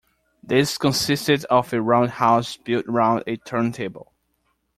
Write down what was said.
This consisted of a roundhouse built round a turntable.